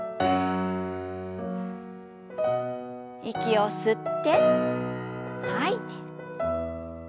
息を吸って吐いて。